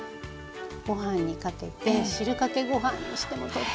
ご飯にかけて汁かけご飯にしてもとっても。